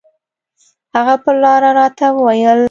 هغه پر لاره راته وويل.